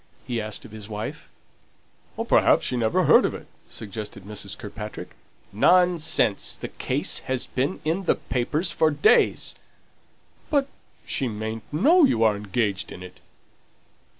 he asked of his wife. "Perhaps she never heard of it," suggested Mrs. Kirkpatrick. "Nonsense! the case has been in the papers for days." "But she mayn't know you are engaged in it."